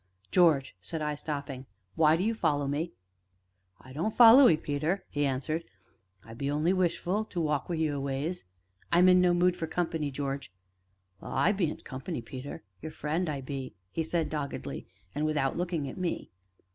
"George," said I, stopping, "why do you follow me?" "I don't follow 'ee, Peter," he answered; "I be only wishful to walk wi' you a ways." "I'm in no mood for company, George." "Well, I bean't company, Peter your friend, I be," he said doggedly, and without looking at me.